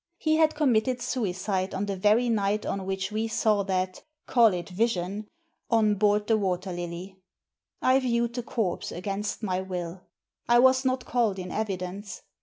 He had committed suicide on the very night on which we saw that— call it vision— on board the Water Lily. I viewed the corpse against my wilL I was not called in evidence.